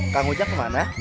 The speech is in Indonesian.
kang gajang kemana